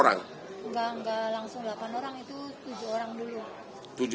enggak langsung delapan orang itu tujuh orang dulu